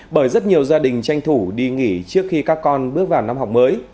bởi rất nhiều gia đình tranh thủ đi nghỉ trước khi các con bước vào năm học mới